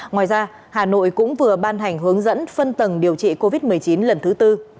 ngoài ra hà nội cũng vừa ban hành hướng dẫn phân tầng điều trị covid một mươi chín lần thứ tư